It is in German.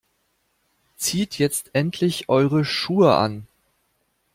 Zieht jetzt endlich eure Schuhe an.